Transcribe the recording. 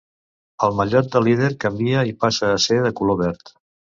El mallot de líder canvia i passa a ser de color verd.